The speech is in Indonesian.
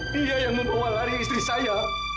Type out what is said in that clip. dia yang membawa lari istri saya